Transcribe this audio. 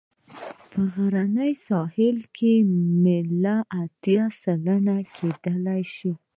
په غرنۍ ساحه کې میل اته سلنه کیدی شي